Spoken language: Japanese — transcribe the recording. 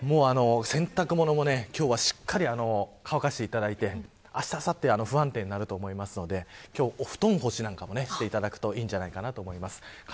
洗濯物も今日はしっかりと乾かしていただいて、あしたあさっては不安定になると思いますので今日は、お布団干しなんかもしていただくといいと思います。